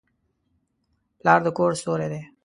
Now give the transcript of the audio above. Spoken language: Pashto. پلار د کور ستوری دی.